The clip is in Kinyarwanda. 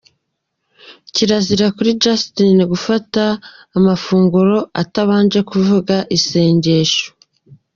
Kirazira kuri Justin Bieber gufata amafunguro atabanje kuvuga isengesho.